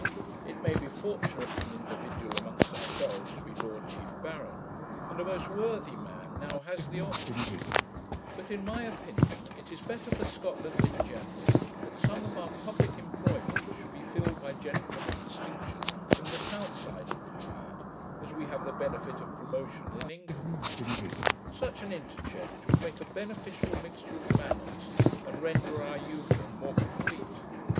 It may be fortunate for an individual amongst ourselves to be Lord Chief Baron; and a most worthy man now has the office; but, in my opinion, it is better for Scotland in general, that some of our publick employments should be filled by gentlemen of distinction from the south side of the Tweed, as we have the benefit of promotion in England. Such an interchange would make a beneficial mixture of manners, and render our union more complete.